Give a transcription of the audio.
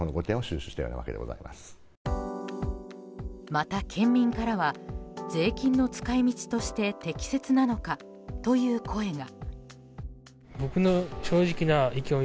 また、県民からは税金の使い道として適切なのかという声が。